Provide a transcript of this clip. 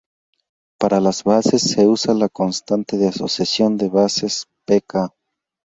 Para las bases, se usa la constante de asociación de bases, p"K".